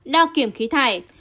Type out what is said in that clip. đao kiểm khí thải